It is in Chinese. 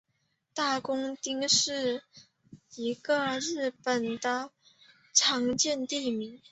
大工町是一个日本的常见地名。